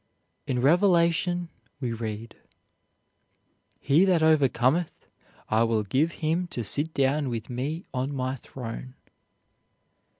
In Revelation we read: "He that overcometh, I will give him to sit down with me on my throne."